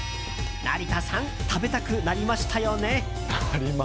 成田さん食べたくなりましたよね？